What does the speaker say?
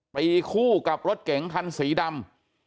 ไปคู่กับรถเก๋งคันสีดำ